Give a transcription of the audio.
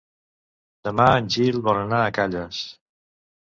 Demà en Gil vol anar a Calles.